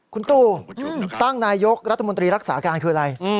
คุณตู่ตั้งนายกรัฐมนตรีรักษาการคืออะไร